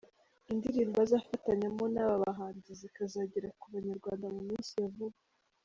Indirimbo azafatanyamo n’aba bahanzi zikazagera ku banyarwanda mu minsi ya vuba.